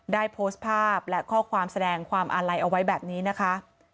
ได้โพสต์ภาพและข้อความแสดงความอาลัยเอาไว้แบบนี้นะคะ